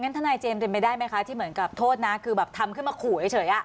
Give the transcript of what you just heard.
ทนายเจมส์เป็นไปได้ไหมคะที่เหมือนกับโทษนะคือแบบทำขึ้นมาขู่เฉย